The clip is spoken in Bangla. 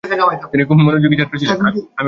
তিনি খুব মনোযোগী ছাত্র ছিলেন।